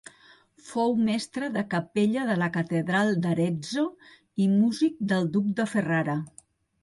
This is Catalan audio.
Fou mestre de capella de la Catedral d'Arezzo i músic del duc de Ferrara.